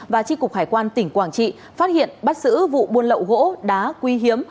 và tri cục hải quan tỉnh quảng trị phát hiện bắt xử vụ buôn lậu gỗ đá quy hiếm